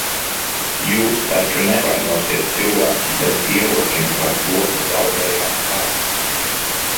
Jūs taču nevainosiet cilvēkus bez ieročiem par to, ka zaudējāt karu?